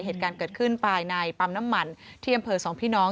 เหตุการณ์เกิดขึ้นภายในปั๊มน้ำมันที่อำเภอสองพี่น้อง